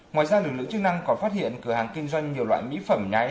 ngoài ra lực lượng chức năng còn phát hiện cửa hàng kinh doanh nhiều loại mỹ phẩm nhái